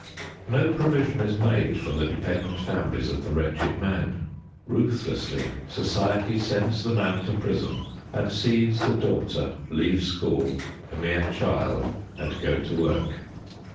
No provision is made for the dependent families of the wretched man. Ruthlessly society sends the man to prison and sees the daughter leave school, a mere child, and go to work.